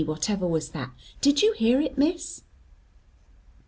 Whatever was that? Did you hear it, Miss?"